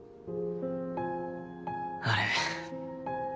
あれ？